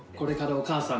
お母さん。